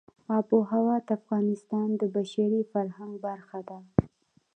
آب وهوا د افغانستان د بشري فرهنګ برخه ده.